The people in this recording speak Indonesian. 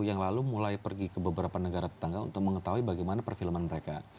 yang lalu mulai pergi ke beberapa negara tetangga untuk mengetahui bagaimana perfilman mereka